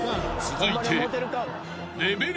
［続いて］